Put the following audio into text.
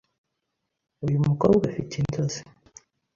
Uyu mukobwa afite inzozi